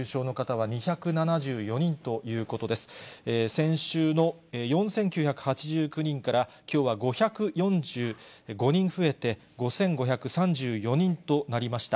先週の４９８９人からきょうは５４５人増えて、５５３４人となりました。